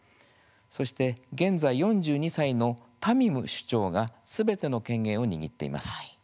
そして現在４２歳のタミム首長がすべての権限を握っています。